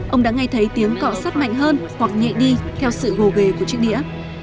ông đã ngay thấy tiếng cọ sắt mạnh hơn hoặc nhạy đi theo sự gồ ghề của chiếc đĩa